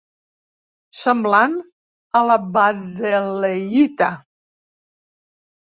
Semblant a la baddeleyita.